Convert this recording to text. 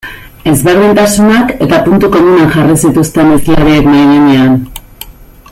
Ezberdintasunak eta puntu komunak jarri zituzten hizlariek mahai gainean.